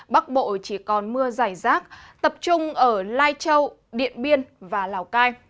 bắc bộ chỉ còn mưa dài rác tập trung ở lai châu điện biên và lào cai